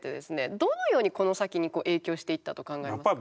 どのようにこの先にこう影響していったと考えますか。